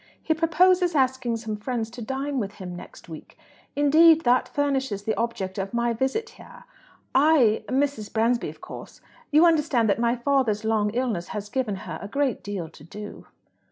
He purposes asking some friends to dine with him next week. Indeed, that furnishes the object of my visit here. I Mrs. Bransby of course, you understand that my father's long illness has given her a great deal to do."